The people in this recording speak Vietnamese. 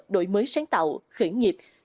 đổi mới sáng tạo khởi nghiệp